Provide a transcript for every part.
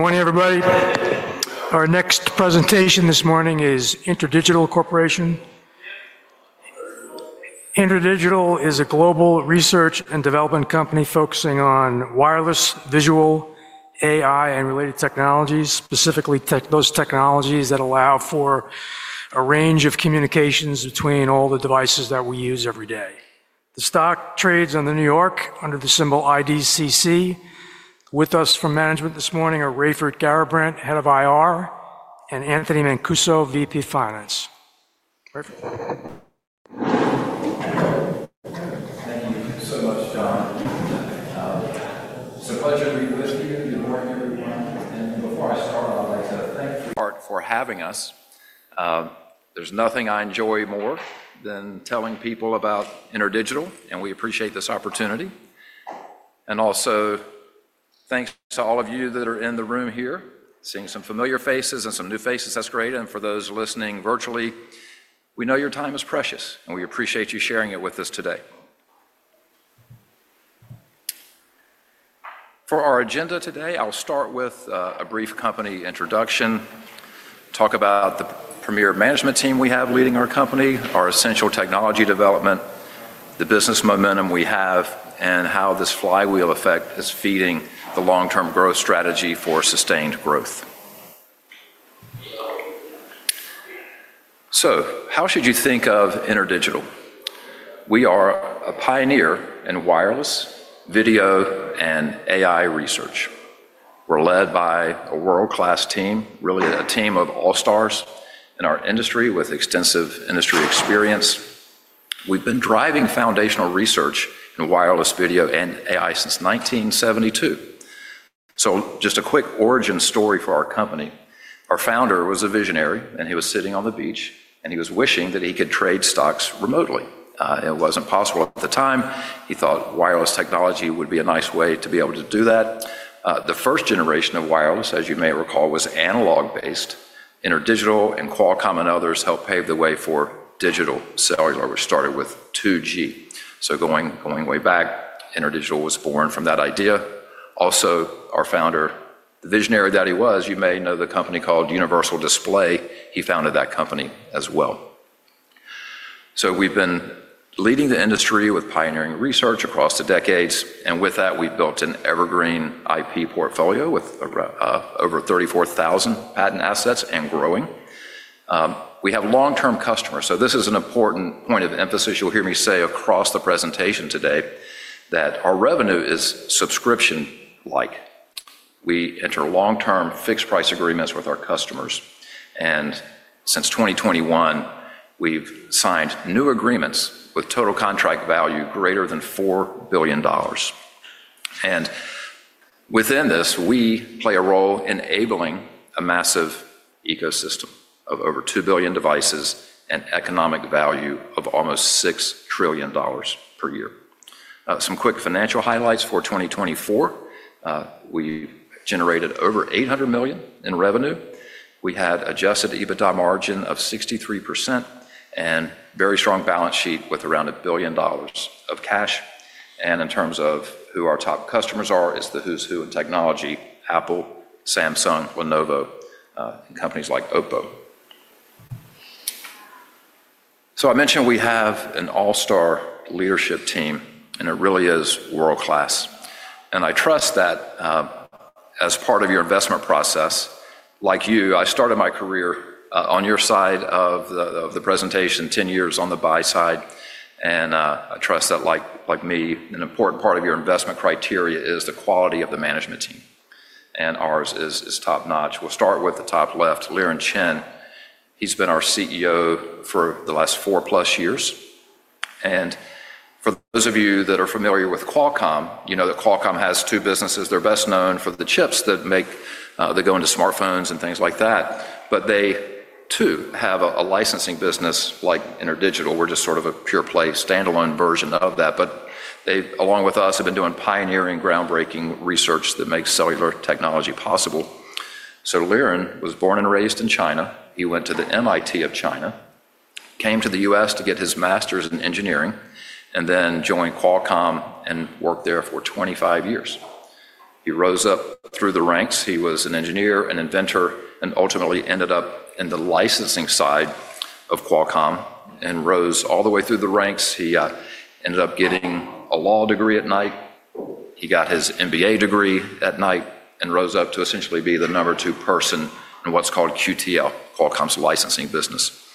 Good morning, everybody. Our next presentation this morning is InterDigital Corporation. InterDigital is a global research and development company focusing on wireless, visual, AI, and related technologies, specifically those technologies that allow for a range of communications between all the devices that we use every day. The stock trades in New York under the symbol IDCC. With us from management this morning are Raiford Garrabrant, Head of IR, and Anthony Mancuso, VP Finance. Raiford. Thank you so much, John. It's a pleasure to be with you. Good morning, everyone. Before I start, I'd like to thank. Heart for having us. There's nothing I enjoy more than telling people about InterDigital, and we appreciate this opportunity. Also, thanks to all of you that are in the room here, seeing some familiar faces and some new faces. That's great. For those listening virtually, we know your time is precious, and we appreciate you sharing it with us today. For our agenda today, I'll start with a brief company introduction, talk about the premier management team we have leading our company, our essential technology development, the business momentum we have, and how this flywheel effect is feeding the long-term growth strategy for sustained growth. How should you think of InterDigital? We are a pioneer in wireless, video, and AI research. We're led by a world-class team, really a team of all-stars in our industry with extensive industry experience. We've been driving foundational research in wireless, video, and AI since 1972. Just a quick origin story for our company. Our founder was a visionary, and he was sitting on the beach, and he was wishing that he could trade stocks remotely. It was not possible at the time. He thought wireless technology would be a nice way to be able to do that. The first generation of wireless, as you may recall, was analog-based. InterDigital and Qualcomm and others helped pave the way for digital cellular, which started with 2G. Going way back, InterDigital was born from that idea. Also, our founder, the visionary that he was, you may know the company called Universal Display. He founded that company as well. We've been leading the industry with pioneering research across the decades. With that, we've built an evergreen IP portfolio with over 34,000 patent assets and growing. We have long-term customers. This is an important point of emphasis. You'll hear me say across the presentation today that our revenue is subscription-like. We enter long-term fixed-price agreements with our customers. And, since 2021, we've signed new agreements with total contract value greater than $4 billion. Within this, we play a role in enabling a massive ecosystem of over 2 billion devices and economic value of almost $6 trillion per year. Some quick financial highlights for 2024. We generated over $800 million in revenue. We had adjusted EBITDA margin of 63% and a very strong balance sheet with around $1 billion of cash. In terms of who our top customers are, it's the who's who in technology: Apple, Samsung, Lenovo, and companies like Oppo. I mentioned we have an all-star leadership team, and it really is world-class. I trust that as part of your investment process, like you, I started my career on your side of the presentation, 10 years on the buy side. I trust that, like me, an important part of your investment criteria is the quality of the management team. Ours is top-notch. We'll start with the top left, Liren Chen. He's been our CEO for the last 4+ years. For those of you that are familiar with Qualcomm, you know that Qualcomm has two businesses. They're best known for the chips that go into smartphones and things like that. They too have a licensing business like InterDigital. We're just sort of a pure-play standalone version of that. They, along with us, have been doing pioneering groundbreaking research that makes cellular technology possible. Liren was born and raised in China. He went to the MIT of China, came to the U.S. to get his master's in engineering, and then joined Qualcomm and worked there for 25 years. He rose up through the ranks. He was an engineer, an inventor, and ultimately ended up in the licensing side of Qualcomm and rose all the way through the ranks. He ended up getting a law degree at night. He got his MBA degree at night and rose up to essentially be the number two person in what's called QTL, Qualcomm's licensing business.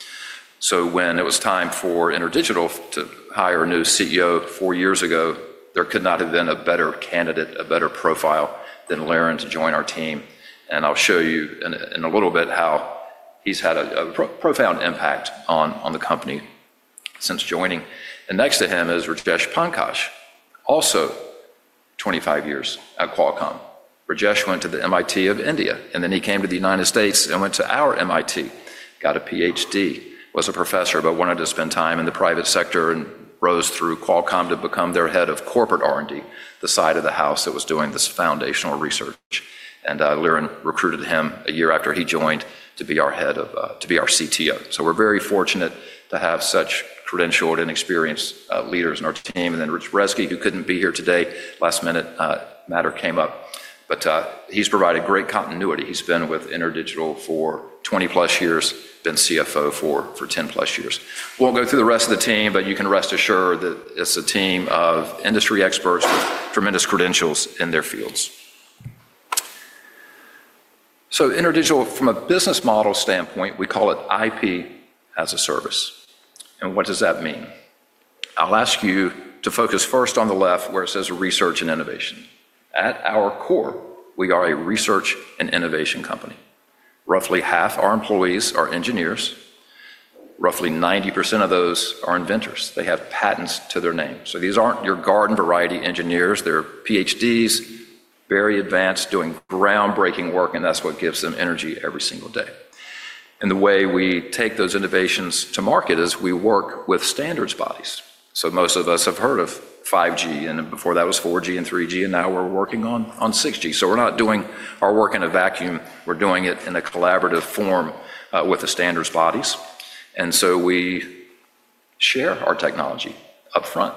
When it was time for InterDigital to hire a new CEO four years ago, there could not have been a better candidate, a better profile than Liren to join our team. I'll show you in a little bit how he's had a profound impact on the company since joining. Next to him is Rajesh Pankaj, also 25 years at Qualcomm. Rajesh went to the MIT of India, and then he came to the United States and went to our MIT, got a PhD, was a professor, but wanted to spend time in the private sector and rose through Qualcomm to become their head of corporate R&D, the side of the house that was doing this foundational research. Liren recruited him a year after he joined to be our head of, to be our CTO. We are very fortunate to have such credentialed and experienced leaders on our team. Rich Brezski, who could not be here today, last minute matter came up. He has provided great continuity. He has been with InterDigital for 20+ years, been CFO for 10+ years. We'll go through the rest of the team, but you can rest assured that it's a team of industry experts with tremendous credentials in their fields. InterDigital, from a business model standpoint, we call it IP as a service. What does that mean? I'll ask you to focus first on the left where it says research and innovation. At our core, we are a research and innovation company. Roughly half our employees are engineers. Roughly 90% of those are inventors. They have patents to their name. These aren't your garden-variety engineers. They're PhDs, very advanced, doing groundbreaking work, and that's what gives them energy every single day. The way we take those innovations to market is we work with standards bodies. Most of us have heard of 5G, and before that was 4G and 3G, and now we're working on 6G. We're not doing our work in a vacuum. We're doing it in a collaborative form with the standards bodies. We share our technology upfront.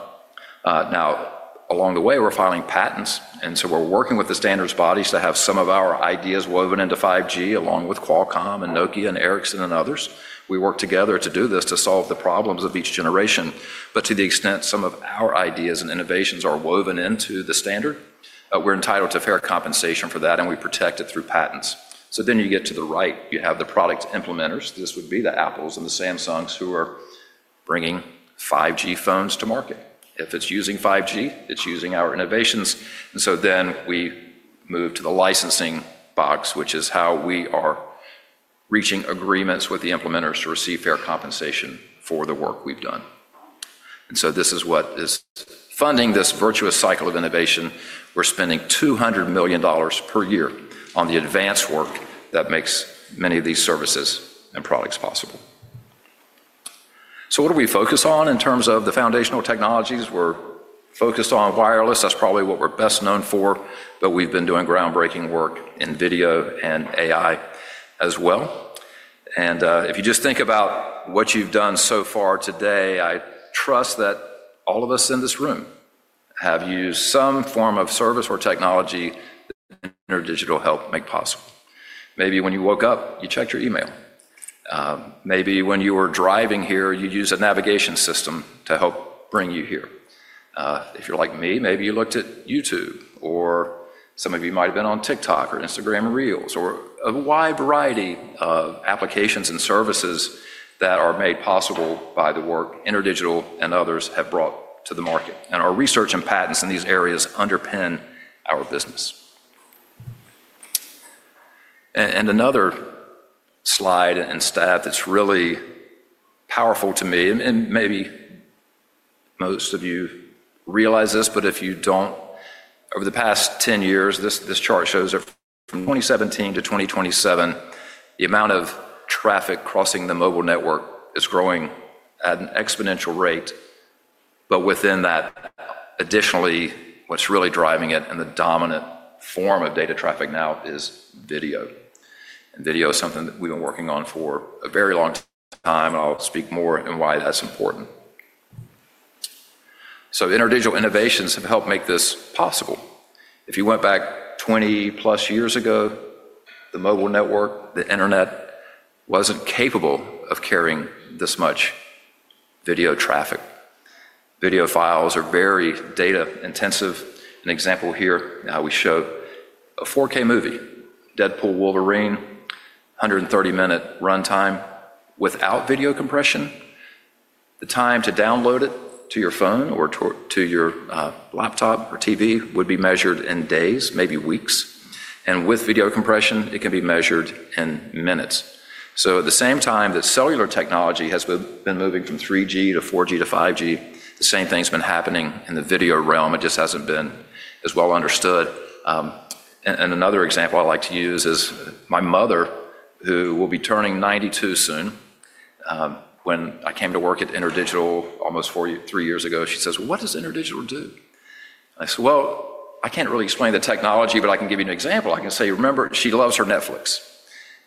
Along the way, we're filing patents. We're working with the standards bodies to have some of our ideas woven into 5G, along with Qualcomm and Nokia and Ericsson and others. We work together to do this to solve the problems of each generation. To the extent some of our ideas and innovations are woven into the standard, we're entitled to fair compensation for that, and we protect it through patents. You have the product implementers. This would be the Apples and the Samsungs who are bringing 5G phones to market. If it's using 5G, it's using our innovations. Then we move to the licensing box, which is how we are reaching agreements with the implementers to receive fair compensation for the work we've done. This is what is funding this virtuous cycle of innovation. We're spending $200 million per year on the advanced work that makes many of these services and products possible. What do we focus on in terms of the foundational technologies? We're focused on wireless. That's probably what we're best known for. We've been doing groundbreaking work in video and AI as well. If you just think about what you've done so far today, I trust that all of us in this room have used some form of service or technology that InterDigital helped make possible. Maybe when you woke up, you checked your email. Maybe when you were driving here, you used a navigation system to help bring you here. If you're like me, maybe you looked at YouTube, or some of you might have been on TikTok or Instagram Reels or a wide variety of applications and services that are made possible by the work InterDigital and others have brought to the market. Our research and patents in these areas underpin our business. Another slide and stat that's really powerful to me, and maybe most of you realize this, but if you don't, over the past 10 years, this chart shows from 2017-2027, the amount of traffic crossing the mobile network is growing at an exponential rate. Within that, additionally, what's really driving it and the dominant form of data traffic now is video. Video is something that we've been working on for a very long time, and I'll speak more on why that's important. InterDigital innovations have helped make this possible. If you went back 20+ years ago, the mobile network, the internet wasn't capable of carrying this much video traffic. Video files are very data-intensive. An example here is how we show a 4K movie, Deadpool & Wolverine, 130-minute runtime. Without video compression, the time to download it to your phone or to your laptop or TV would be measured in days, maybe weeks. With video compression, it can be measured in minutes. At the same time that cellular technology has been moving from 3G to 4G to 5G, the same thing's been happening in the video realm. It just hasn't been as well understood. Another example I like to use is my mother, who will be turning 92 soon. When I came to work at InterDigital almost three years ago, she says, "What does InterDigital do?" I said, "I can't really explain the technology, but I can give you an example. I can say, 'Remember, she loves her Netflix.'"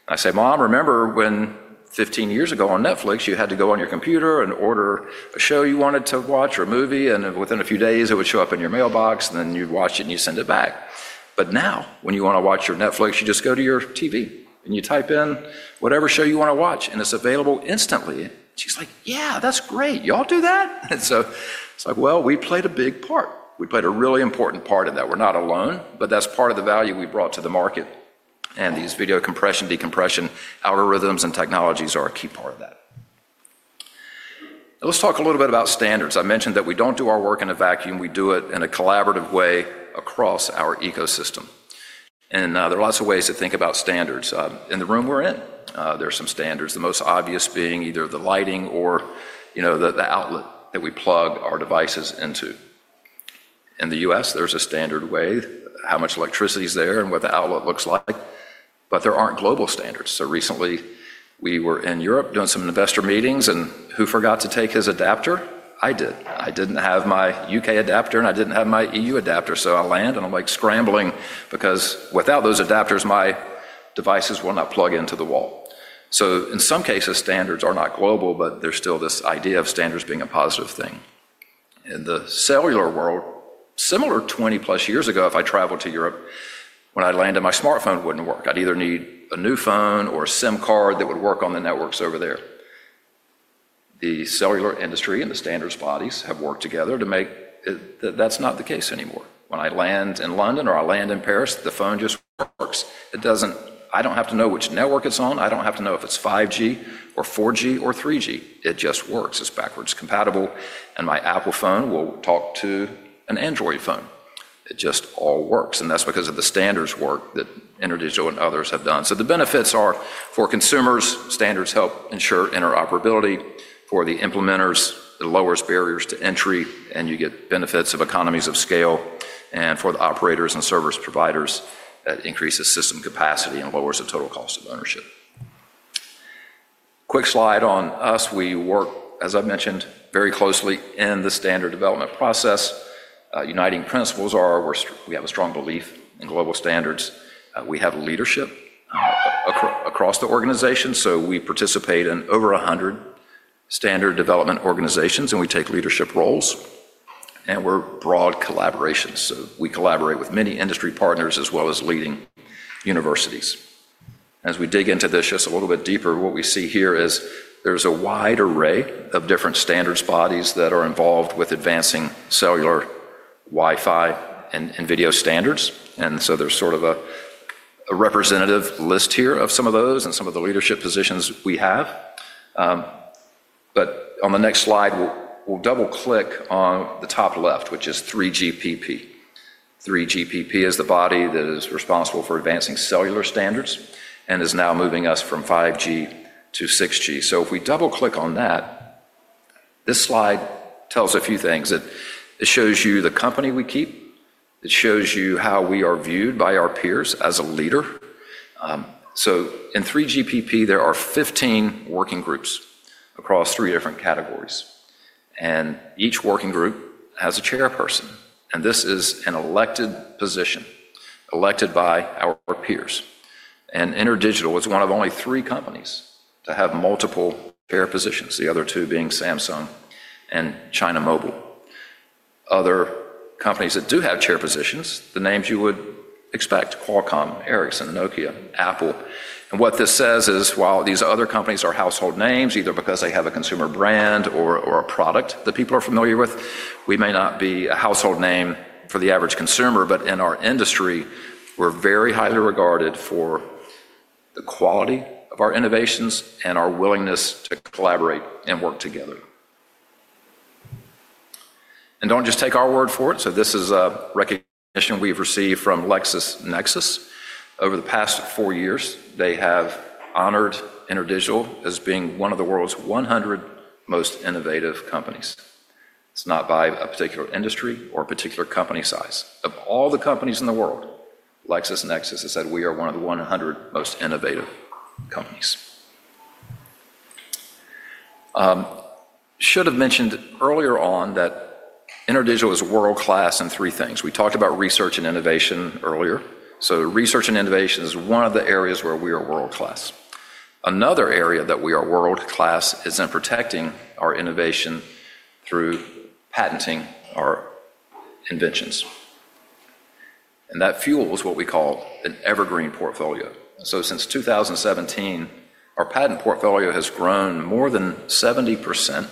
I say, "Mom, remember when 15 years ago on Netflix, you had to go on your computer and order a show you wanted to watch or a movie, and within a few days, it would show up in your mailbox, and then you'd watch it and you'd send it back. Now, when you want to watch your Netflix, you just go to your TV and you type in whatever show you want to watch, and it's available instantly." She's like, "Yeah, that's great. Y'all do that?" It's like, "Well, we played a big part. We played a really important part in that. We're not alone, but that's part of the value we brought to the market. And these video compression, decompression algorithms and technologies are a key part of that." Let's talk a little bit about standards. I mentioned that we don't do our work in a vacuum. We do it in a collaborative way across our ecosystem. There are lots of ways to think about standards. In the room we're in, there are some standards, the most obvious being either the lighting or the outlet that we plug our devices into. In the U.S., there's a standard way how much electricity is there and what the outlet looks like. There aren't global standards. Recently, we were in Europe doing some investor meetings, and who forgot to take his adapter? I did. I didn't have my U.K. adapter, and I didn't have my EU adapter. I land, and I'm like scrambling because without those adapters, my devices will not plug into the wall. In some cases, standards are not global, but there's still this idea of standards being a positive thing. In the cellular world, similar 20+ years ago, if I traveled to Europe, when I landed, my smartphone wouldn't work. I'd either need a new phone or a SIM card that would work on the networks over there. The cellular industry and the standards bodies have worked together to make that's not the case anymore. When I land in London or I land in Paris, the phone just works. I don't have to know which network it's on. I don't have to know if it's 5G or 4G or 3G. It just works. It's backwards compatible. My Apple phone will talk to an Android phone. It just all works. That is because of the standards work that InterDigital and others have done. The benefits are for consumers. Standards help ensure interoperability. For the implementers, it lowers barriers to entry, and you get benefits of economies of scale. For the operators and service providers, it increases system capacity and lowers the total cost of ownership. Quick slide on us. We work, as I mentioned, very closely in the standard development process. Uniting principles are we have a strong belief in global standards. We have leadership across the organization. We participate in over 100 standard development organizations, and we take leadership roles. We are broad collaborations. We collaborate with many industry partners as well as leading universities. As we dig into this just a little bit deeper, what we see here is there's a wide array of different standards bodies that are involved with advancing cellular, Wi-Fi, and video standards. There is sort of a representative list here of some of those and some of the leadership positions we have. On the next slide, we'll double-click on the top left, which is 3GPP. 3GPP is the body that is responsible for advancing cellular standards and is now moving us from 5G-6G. If we double-click on that, this slide tells a few things. It shows you the company we keep. It shows you how we are viewed by our peers as a leader. In 3GPP, there are 15 working groups across three different categories. Each working group has a chairperson. This is an elected position, elected by our peers. InterDigital is one of only three companies to have multiple chair positions, the other two being Samsung and China Mobile. Other companies that do have chair positions, the names you would expect: Qualcomm, Ericsson, Nokia, Apple. What this says is, while these other companies are household names, either because they have a consumer brand or a product that people are familiar with, we may not be a household name for the average consumer. In our industry, we're very highly regarded for the quality of our innovations and our willingness to collaborate and work together. Do not just take our word for it. This is a recognition we've received from LexisNexis. Over the past four years, they have honored InterDigital as being one of the world's 100 most innovative companies. It's not by a particular industry or a particular company size. Of all the companies in the world, LexisNexis has said, "We are one of the 100 most innovative companies." I should have mentioned earlier on that InterDigital is world-class in three things. We talked about research and innovation earlier. Research and innovation is one of the areas where we are world-class. Another area that we are world-class is in protecting our innovation through patenting our inventions. That fuels what we call an evergreen portfolio. Since 2017, our patent portfolio has grown more than 70%.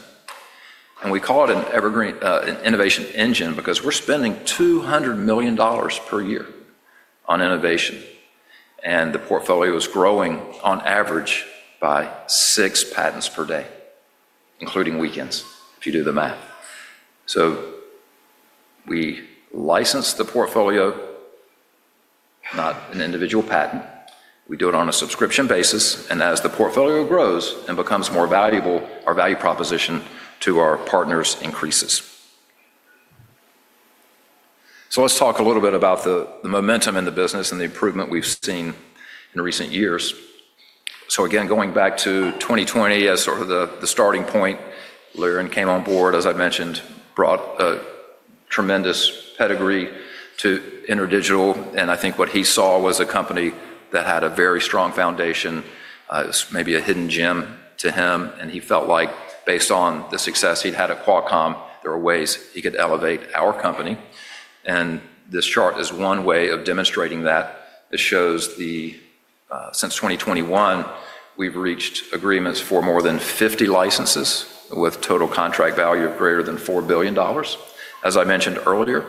We call it an innovation engine because we're spending $200 million per year on innovation. The portfolio is growing on average by 6 patents per day, including weekends, if you do the math. So, we license the portfolio, not an individual patent. We do it on a subscription basis. As the portfolio grows and becomes more valuable, our value proposition to our partners increases. Let's talk a little bit about the momentum in the business and the improvement we've seen in recent years. Again, going back to 2020 as sort of the starting point, Liren came on board, as I mentioned, brought a tremendous pedigree to InterDigital. I think what he saw was a company that had a very strong foundation. It was maybe a hidden gem to him. He felt like, based on the success he'd had at Qualcomm, there were ways he could elevate our company. This chart is one way of demonstrating that. It shows that since 2021, we've reached agreements for more than 50 licenses with total contract value of greater than $4 billion. As I mentioned earlier,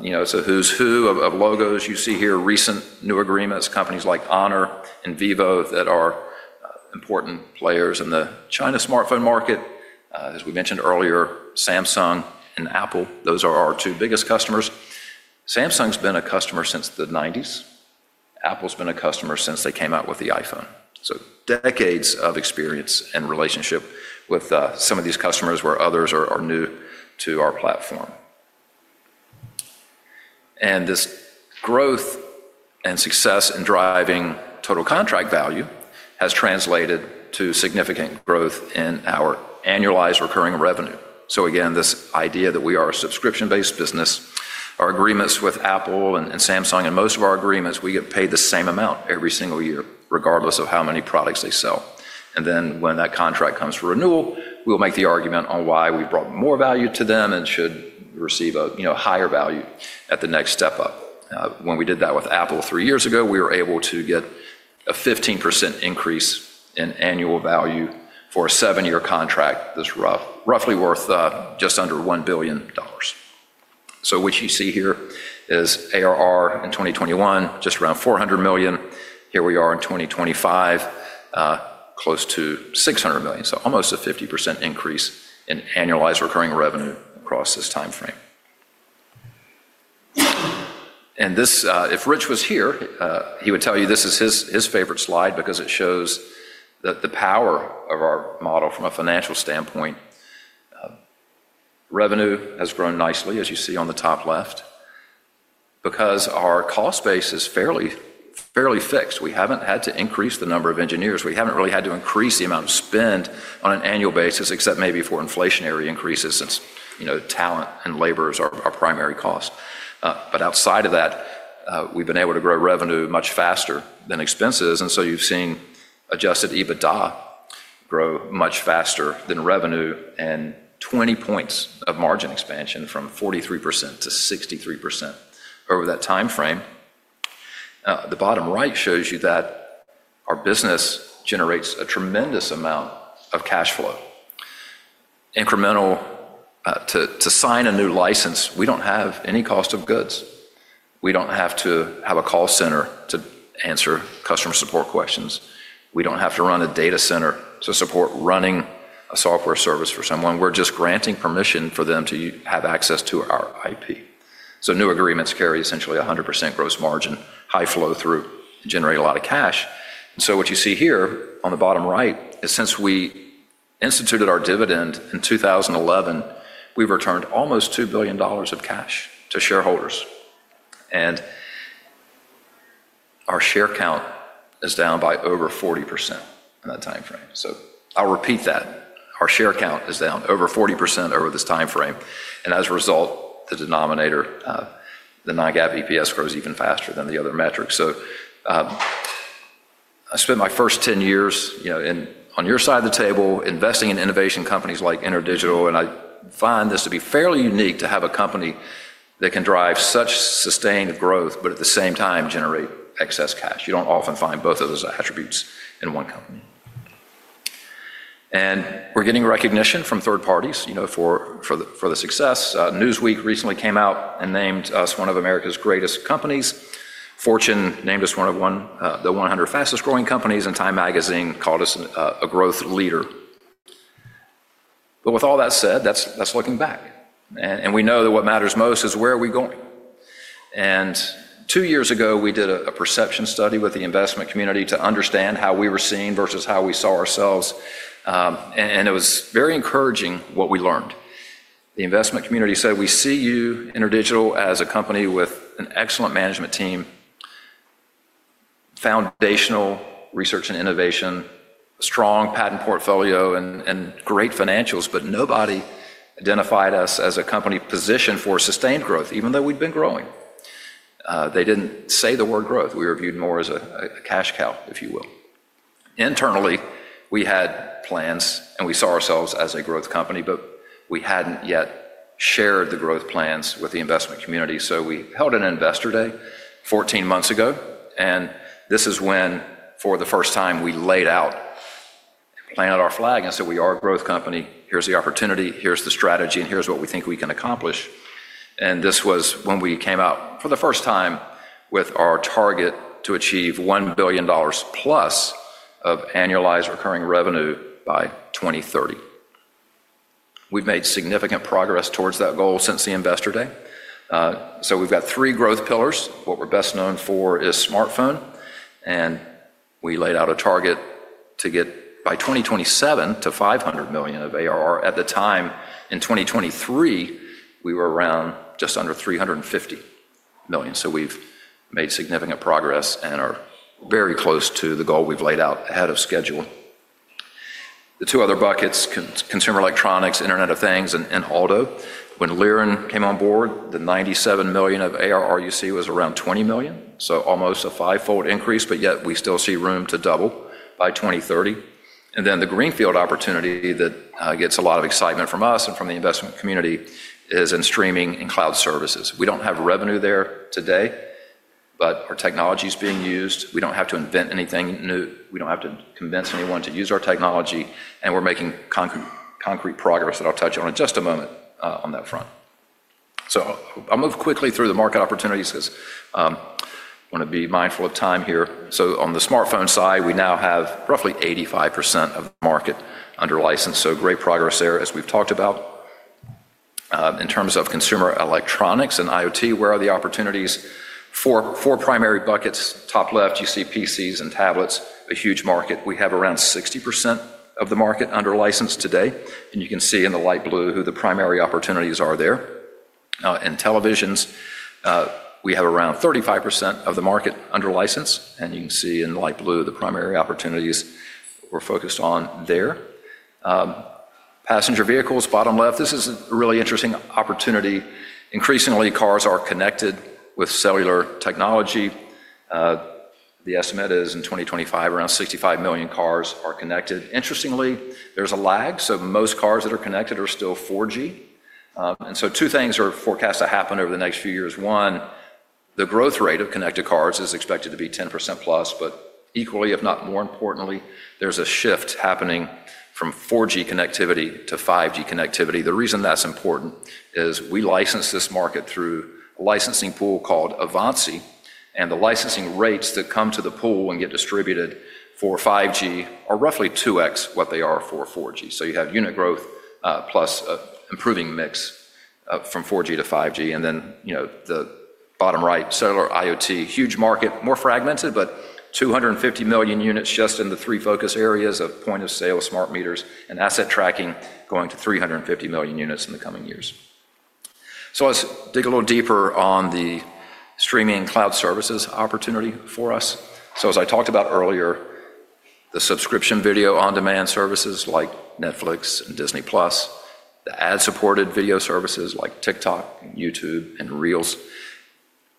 it's a who's who of logos you see here, recent new agreements, companies like Honor and Vivo that are important players in the China smartphone market. As we mentioned earlier, Samsung and Apple those are our two biggest customers. Samsung's been a customer since the 1990s. Apple's been a customer since they came out with the iPhone. Decades of experience and relationship with some of these customers where others are new to our platform. This growth and success in driving total contract value has translated to significant growth in our annualized recurring revenue. This idea that we are a subscription-based business, our agreements with Apple and Samsung, and most of our agreements, we get paid the same amount every single year, regardless of how many products they sell. When that contract comes for renewal, we'll make the argument on why we've brought more value to them and should receive a higher value at the next step up. When we did that with Apple three years ago, we were able to get a 15% increase in annual value for a 7-year contract that's roughly worth just under $1 billion. What you see here is ARR in 2021, just around $400 million. Here we are in 2025, close to $600 million. Almost a 50% increase in annualized recurring revenue across this timeframe. If Rich was here, he would tell you this is his favorite slide because it shows the power of our model from a financial standpoint. Revenue has grown nicely, as you see on the top left, because our cost base is fairly fixed. We haven't had to increase the number of engineers. We haven't really had to increase the amount of spend on an annual basis, except maybe for inflationary increases since talent and labor is our primary cost. Outside of that, we've been able to grow revenue much faster than expenses. You've seen adjusted EBITDA grow much faster than revenue and 20 points of margin expansion from 43%-63% over that timeframe. The bottom right shows you that our business generates a tremendous amount of cash flow. Incremental, to sign a new license, we don't have any cost of goods. We don't have to have a call center to answer customer support questions. We don't have to run a data center to support running a software service for someone. We're just granting permission for them to have access to our IP. New agreements carry essentially 100% gross margin, high flow through, generate a lot of cash. What you see here on the bottom right is since we instituted our dividend in 2011, we've returned almost $2 billion of cash to shareholders. Our share count is down by over 40% in that timeframe. I'll repeat that. Our share count is down over 40% over this timeframe. As a result, the denominator, the [guees-NAGAB EPS], grows even faster than the other metrics. I spent my first 10 years on your side of the table investing in innovation companies like InterDigital. I find this to be fairly unique to have a company that can drive such sustained growth, but at the same time, generate excess cash. You don't often find both of those attributes in one company. We're getting recognition from third parties for the success. Newsweek recently came out and named us one of America's greatest companies. Fortune named us one of the 100 fastest growing companies, and Time Magazine called us a growth leader. With all that said, that's looking back. We know that what matters most is where are we going? Two years ago, we did a perception study with the investment community to understand how we were seen versus how we saw ourselves. It was very encouraging what we learned. The investment community said, "We see you, InterDigital, as a company with an excellent management team, foundational research and innovation, a strong patent portfolio, and great financials, but nobody identified us as a company positioned for sustained growth, even though we'd been growing." They didn't say the word growth. We were viewed more as a cash cow, if you will. Internally, we had plans, and we saw ourselves as a growth company, but we hadn't yet shared the growth plans with the investment community. We held an investor day 14 months ago. This is when, for the first time, we laid out, planted our flag, and said, "We are a growth company. Here's the opportunity. Here's the strategy, and here's what we think we can accomplish." This was when we came out for the first time with our target to achieve $1 billion plus of annualized recurring revenue by 2030. We've made significant progress towards that goal since the investor day. We've got three growth pillars. What we're best known for is smartphone. We laid out a target to get by 2027 to $500 million of ARR. At the time, in 2023, we were around just under $350 million. We have made significant progress and are very close to the goal we have laid out ahead of schedule. The two other buckets, consumer electronics, Internet of Things, and ALDO. When Liren came on board, the $97 million of ARR you see was around $20 million. So almost a five-fold increase, yet we still see room to double by 2030. The greenfield opportunity that gets a lot of excitement from us and from the investment community is in streaming and cloud services. We do not have revenue there today, but our technology is being used. We do not have to invent anything new. We do not have to convince anyone to use our technology. We are making concrete progress that I will touch on in just a moment on that front. I will move quickly through the market opportunities because I want to be mindful of time here. On the smartphone side, we now have roughly 85% of the market under license. Great progress there, as we've talked about. In terms of consumer electronics and IoT, where are the opportunities? Four primary buckets. Top left, you see PCs and tablets, a huge market. We have around 60% of the market under license today. You can see in the light blue who the primary opportunities are there. In televisions, we have around 35% of the market under license. You can see in the light blue the primary opportunities we're focused on there. Passenger vehicles, bottom left. This is a really interesting opportunity. Increasingly, cars are connected with cellular technology. The estimate is in 2025, around 65 million cars are connected. Interestingly, there's a lag. Most cars that are connected are still 4G. Two things are forecast to happen over the next few years. One, the growth rate of connected cars is expected to be 10% plus. Equally, if not more importantly, there is a shift happening from 4G connectivity to 5G connectivity. The reason that is important is we license this market through a licensing pool called Avanci. The licensing rates that come to the pool and get distributed for 5G are roughly 2x what they are for 4G. You have unit growth plus an improving mix from 4G-5G. In the bottom right, cellular IoT is a huge market, more fragmented, but 250 million units just in the three focus areas of point of sale, smart meters, and asset tracking going to 350 million units in the coming years. Let's dig a little deeper on the streaming and cloud services opportunity for us. As I talked about earlier, the subscription video-on-demand services like Netflix and Disney+, the ad-supported video services like TikTok, YouTube, and Reels.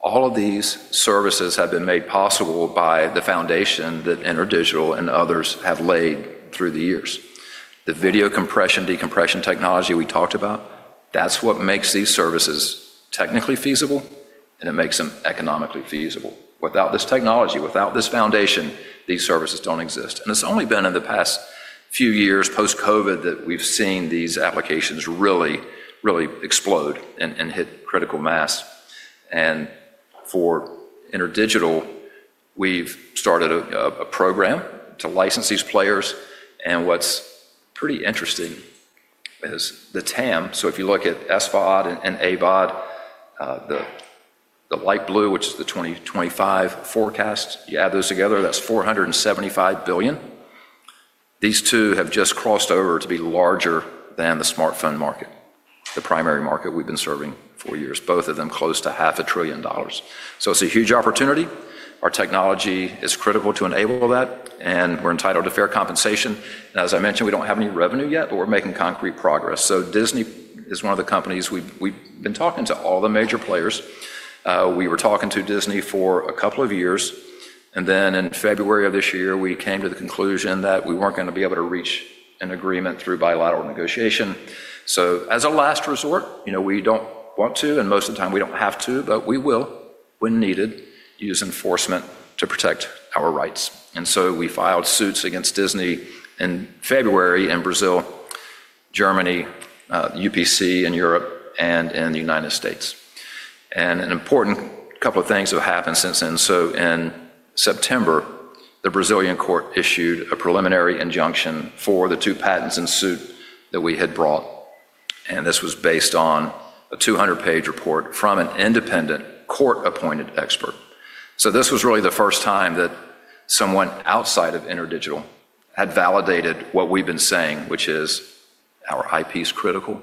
All of these services have been made possible by the foundation that InterDigital and others have laid through the years. The video compression/decompression technology we talked about, that's what makes these services technically feasible, and it makes them economically feasible. Without this technology, without this foundation, these services don't exist. It's only been in the past few years, post-COVID, that we've seen these applications really, really explode and hit critical mass. For InterDigital, we've started a program to license these players. What's pretty interesting is the TAM. If you look at SVOD and AVOD, the light blue, which is the 2025 forecast, you add those together, that's $475 billion. These two have just crossed over to be larger than the smartphone market, the primary market we've been serving for years, both of them close to $0.5 trillion. It is a huge opportunity. Our technology is critical to enable that. We are entitled to fair compensation. As I mentioned, we do not have any revenue yet, but we are making concrete progress. Disney is one of the companies we have been talking to, all the major players. We were talking to Disney for a couple of years. In February of this year, we came to the conclusion that we were not going to be able to reach an agreement through bilateral negotiation. As a last resort, we do not want to, and most of the time we do not have to, but we will when needed use enforcement to protect our rights. We filed suits against Disney in February in Brazil, Germany, UPC in Europe, and in the United States. An important couple of things have happened since then. In September, the Brazilian court issued a preliminary injunction for the two patents in suit that we had brought. This was based on a 200-page report from an independent court-appointed expert. This was really the first time that someone outside of InterDigital had validated what we've been saying, which is our IP is critical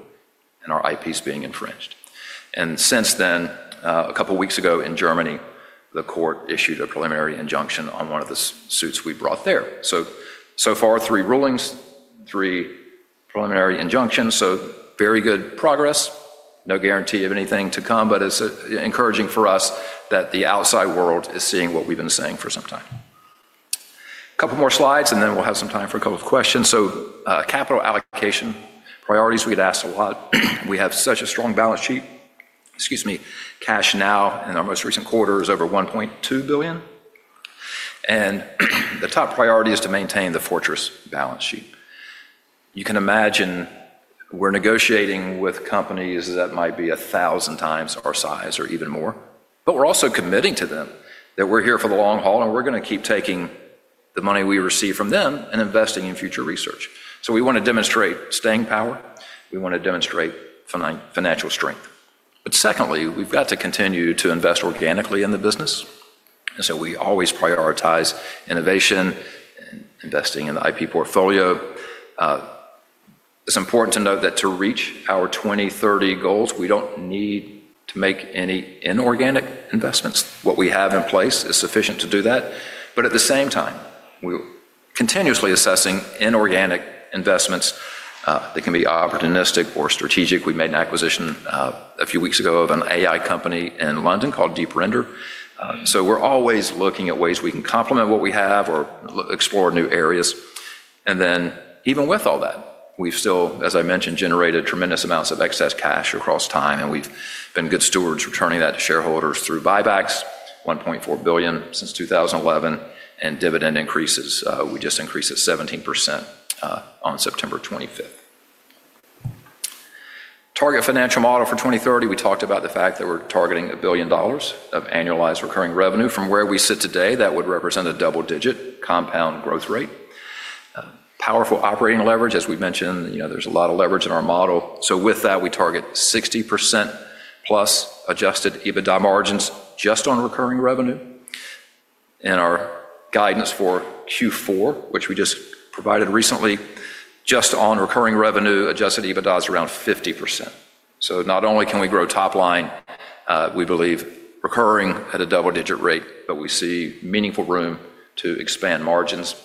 and our IP is being infringed. Since then, a couple of weeks ago in Germany, the court issued a preliminary injunction on one of the suits we brought there. So far, three rulings, three preliminary injunctions. Very good progress. No guarantee of anything to come, but it's encouraging for us that the outside world is seeing what we've been saying for some time. Couple more slides, and then we'll have some time for a couple of questions. Capital allocation priorities, we get asked a lot. We have such a strong balance sheet. Excuse me. Cash now in our most recent quarter is over $1.2 billion. The top priority is to maintain the fortress balance sheet. You can imagine we're negotiating with companies that might be a thousand times our size or even more. We're also committing to them that we're here for the long haul, and we're going to keep taking the money we receive from them and investing in future research. We want to demonstrate staying power. We want to demonstrate financial strength. Secondly, we've got to continue to invest organically in the business. We always prioritize innovation and investing in the IP portfolio. It's important to note that to reach our 2030 goals, we don't need to make any inorganic investments. What we have in place is sufficient to do that. At the same time, we're continuously assessing inorganic investments that can be opportunistic or strategic. We made an acquisition a few weeks ago of an AI company in London called DeepRender. We're always looking at ways we can complement what we have or explore new areas. Even with all that, we've still, as I mentioned, generated tremendous amounts of excess cash across time. We've been good stewards returning that to shareholders through buybacks, $1.4 billion since 2011, and dividend increases. We just increased at 17% on September 25th. Target financial model for 2030, we talked about the fact that we're targeting $1 billion of annualized recurring revenue. From where we sit today, that would represent a double-digit compound growth rate. Powerful operating leverage, as we mentioned, there's a lot of leverage in our model. With that, we target 60% plus adjusted EBITDA margins just on recurring revenue. Our guidance for Q4, which we just provided recently, just on recurring revenue, adjusted EBITDA is around 50%. Not only can we grow top line, we believe recurring at a double-digit rate, but we see meaningful room to expand margins.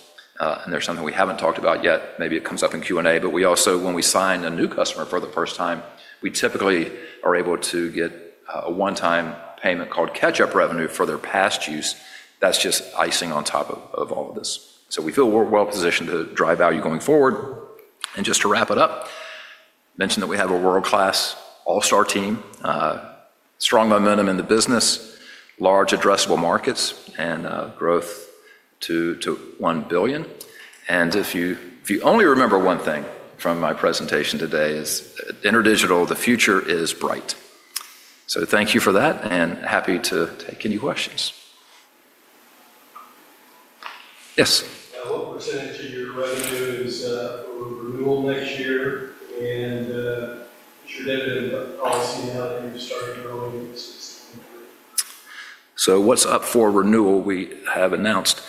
There's something we haven't talked about yet. Maybe it comes up in Q&A. We also, when we sign a new customer for the first time, we typically are able to get a one-time payment called catch-up revenue for their past use. That's just icing on top of all of this. We feel we're well-positioned to drive value going forward. Just to wrap it up, I mentioned that we have a world-class all-star team, strong momentum in the business, large addressable markets, and growth to $1 billion. If you only remember one thing from my presentation today, it's InterDigital, the future is bright. Thank you for that, and happy to take any questions. Yes. What percentage of your revenue is for renewal next year? Is your dividend policy now that you've started growing? What's up for renewal? We have announced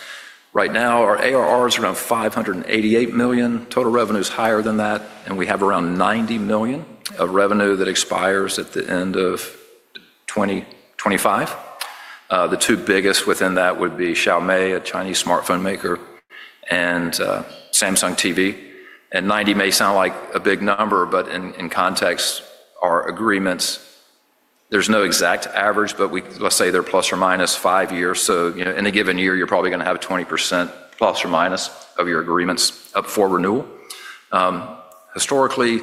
right now our ARR is around $588 million. Total revenue is higher than that. We have around $90 million of revenue that expires at the end of 2025. The two biggest within that would be Xiaomi, a Chinese smartphone maker, and Samsung TV. Ninety may sound like a big number, but in context, our agreements, there's no exact average, but let's say they're plus or minus five years. In a given year, you're probably going to have ±20% of your agreements up for renewal. Historically,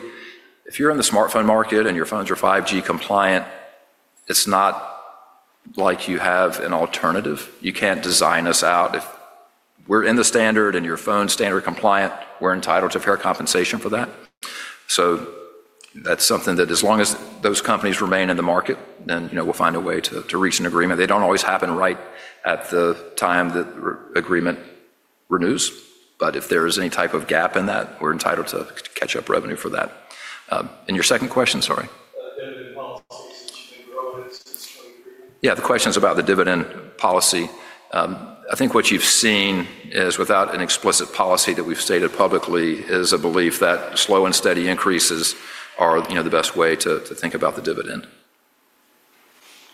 if you're in the smartphone market and your phones are 5G compliant, it's not like you have an alternative. You can't design us out. If we're in the standard and your phone's standard-compliant, we're entitled to fair compensation for that. That is something that as long as those companies remain in the market, then we'll find a way to reach an agreement. They don't always happen right at the time that the agreement renews. If there is any type of gap in that, we're entitled to catch-up revenue for that. Your second question, sorry. Dividend policies, since you've been growing since 2023? Yeah, the question is about the dividend policy. I think what you've seen is, without an explicit policy that we've stated publicly, is a belief that slow and steady increases are the best way to think about the dividend.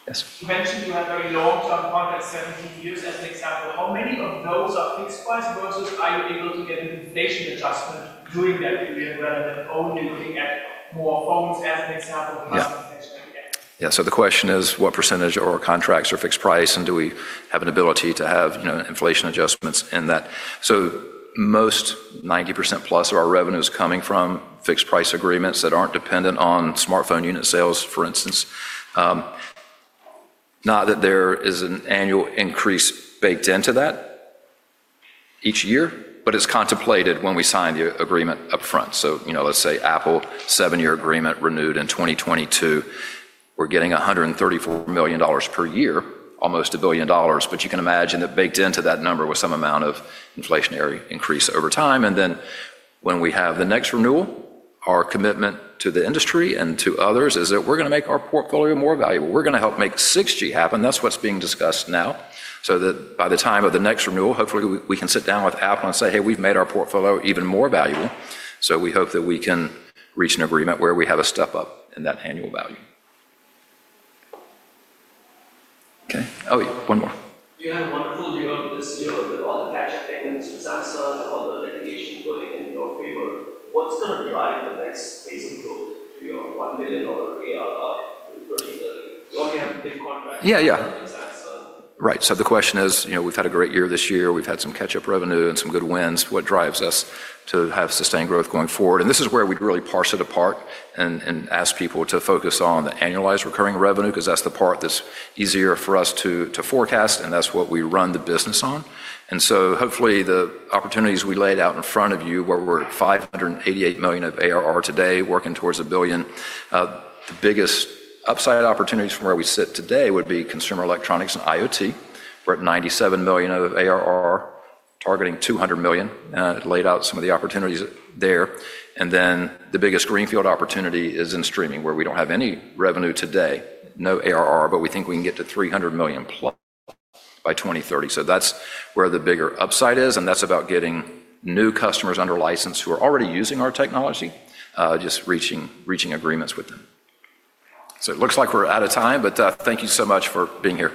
Yes. You mentioned you have a long-term contract, 17 years, as an example. How many of those are fixed price versus are you able to get an inflation adjustment during that period rather than only looking at more phones as an example plus inflation at the end? Yeah. The question is, what percentage of our contracts are fixed price, and do we have an ability to have inflation adjustments in that? Most 90%+ of our revenue is coming from fixed price agreements that aren't dependent on smartphone unit sales, for instance. Not that there is an annual increase baked into that each year, but it's contemplated when we sign the agreement upfront. Let's say Apple, 7-year agreement renewed in 2022, we're getting $134 million per year, almost a billion dollars. You can imagine that baked into that number was some amount of inflationary increase over time. When we have the next renewal, our commitment to the industry and to others is that we're going to make our portfolio more valuable. We're going to help make 6G happen. That's what's being discussed now. By the time of the next renewal, hopefully we can sit down with Apple and say, "Hey, we've made our portfolio even more valuable." We hope that we can reach an agreement where we have a step up in that annual value. Okay. Oh, one more. You had a wonderful deal this year with all the catch-up payments for Samsung and all the litigation going in your favor. What's going to drive the next phase of growth to your $1 billion ARR? You already have a big contract. Yeah, yeah. Right. The question is, we've had a great year this year. We've had some catch-up revenue and some good wins. What drives us to have sustained growth going forward? This is where we'd really parse it apart and ask people to focus on the annualized recurring revenue because that's the part that's easier for us to forecast, and that's what we run the business on. Hopefully the opportunities we laid out in front of you, where we're at $588 million of ARR today, working towards $1 billion, the biggest upside opportunities from where we sit today would be consumer electronics and IoT. We're at $97 million of ARR, targeting $200 million. I laid out some of the opportunities there. The biggest greenfield opportunity is in streaming, where we do not have any revenue today, no ARR, but we think we can get to $300 million+ by 2030. That is where the bigger upside is, and that is about getting new customers under license who are already using our technology, just reaching agreements with them. It looks like we are out of time, but thank you so much for being here.